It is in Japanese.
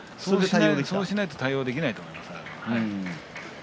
そうしないと対応できないと思いますよ。